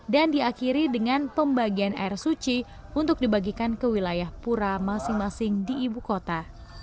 dan diakhiri dengan pembagian air suci untuk dibagikan ke wilayah pura masing masing di ibu kota